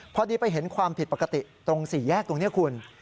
พอดีไปเห็นความผิดปกติตรงสี่แยกตรงนี้คุณ